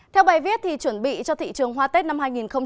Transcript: theo bài viết chuẩn bị cho thị trường hoa tết năm hai nghìn hai mươi